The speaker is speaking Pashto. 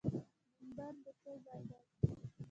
منبر د څه ځای دی؟